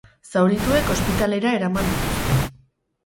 Zaurituek ospitalera eraman dituzte.